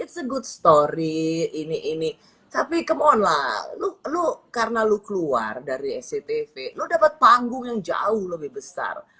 sorry ini ini tapi kemonlah lu lu karena lu keluar dari sctv lu dapat panggung yang jauh lebih besar